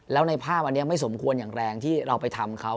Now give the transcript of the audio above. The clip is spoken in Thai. แล้วในภาพอันนี้ไม่สมควรอย่างแรงที่เราไปทำเขา